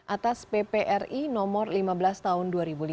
atas ppri nomor lima belas tahun dua ribu lima belas